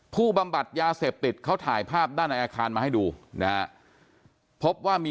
บำบัดยาเสพติดเขาถ่ายภาพด้านในอาคารมาให้ดูนะฮะพบว่ามี